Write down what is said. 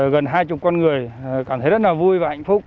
gần hai mươi con người cảm thấy rất là vui và hạnh phúc